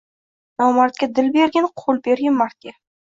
Nomardga – dil bergin, qo‘l bergin – mardga